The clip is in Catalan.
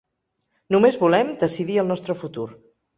Només volem decidir el nostre futur.